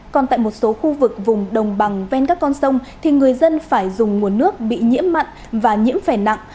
còn tại một số khu vực vùng đồng bằng ven các con sông thì người dân phải dùng nguồn nước bị nhiễm mặn và nhiễm phè nặng